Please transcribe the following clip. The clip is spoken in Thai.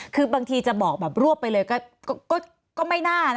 คือบางทีจะบอกแบบรวบไปเลยก็ไม่น่านะ